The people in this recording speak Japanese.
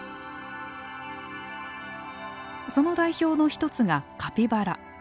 その代表の一つがカピバラ。